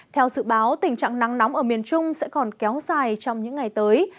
theo dự báo tình trạng nắng nóng ở miền trung sẽ còn kéo dài trong những ngày tới